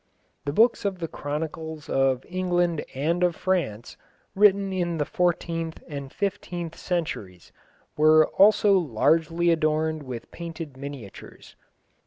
The books of the chronicles of England and of France, written in the fourteenth and fifteenth centuries, were also largely adorned with painted miniatures.